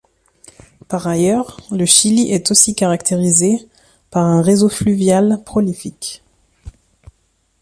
Par ailleurs, le Chili est aussi caractérisé par un réseau fluvial prolifique.